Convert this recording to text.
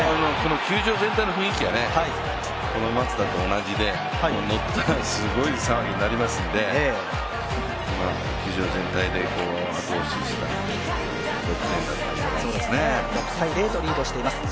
球場全体の雰囲気が、このマツダと同じで、ノッたらすごい騒ぎになりますんで球場全体で後押しした得点だったんじゃないかと思いますね。